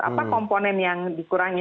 apa komponen yang dikurangi